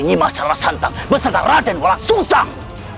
nyima sarasantang besantang raden walasuzang